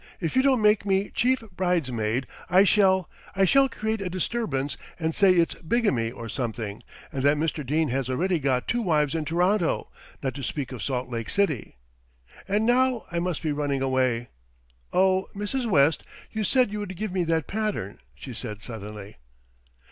If you don't make me chief bridesmaid I shall I shall create a disturbance and say it's bigamy or something, and that Mr. Dene has already got two wives in Toronto, not to speak of Salt Lake City. And now I must be running away. Oh! Mrs. West, you said you would give me that pattern," she said suddenly.